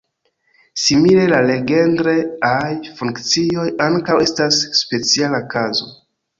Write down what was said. Simile, la Legendre-aj funkcioj ankaŭ estas speciala kazo.